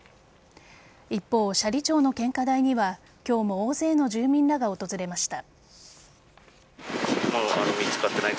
一方、斜里町の献花台には今日も大勢の住民らが訪れました。